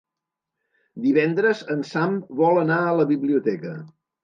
Divendres en Sam vol anar a la biblioteca.